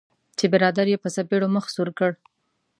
چې برادر یې په څپیړو مخ سور کړ.